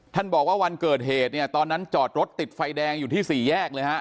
ท่านบอกว่าวันเกิดเหตุเนี่ยตอนนั้นจอดรถติดไฟแดงอยู่ที่สี่แยกเลยฮะ